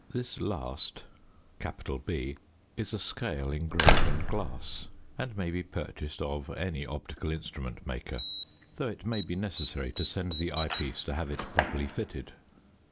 This last, B, is a scale engraved on glass, and may be purchased of any optical instrument maker, though it may be necessary to send the eye piece to have it properly fitted.